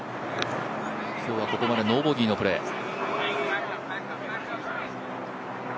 今日はここまでノーボギーのプレー。